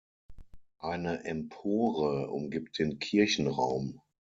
Eine Empore umgibt den Kirchenraum.